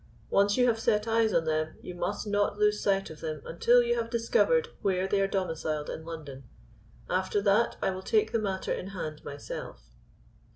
Once you have set eyes on them you must not lose sight of them until you have discovered where they are domiciled in London. After that I will take the matter in hand myself."